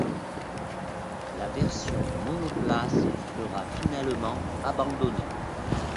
La version monoplace sera finalement abandonnée.